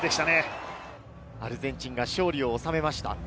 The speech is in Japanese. アルゼンチンが勝利を収めました。